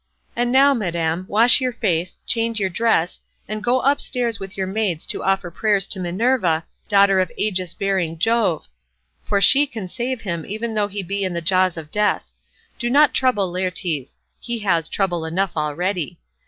And now, Madam, wash your face, change your dress, and go upstairs with your maids to offer prayers to Minerva, daughter of Aegis bearing Jove, for she can save him even though he be in the jaws of death. Do not trouble Laertes: he has trouble enough already.